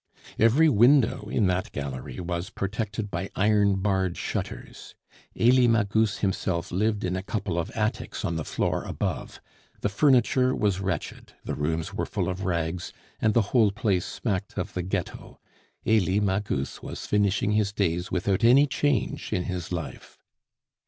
Every window in that gallery was protected by iron barred shutters. Elie Magus himself lived in a couple of attics on the floor above; the furniture was wretched, the rooms were full of rags, and the whole place smacked of the Ghetto; Elie Magus was finishing his days without any change in his life.